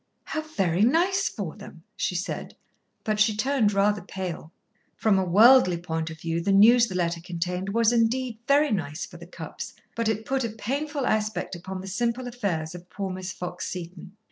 "How very nice for them!" she said, but she turned rather pale. From a worldly point of view the news the letter contained was indeed very nice for the Cupps, but it put a painful aspect upon the simple affairs of poor Miss Fox Seton.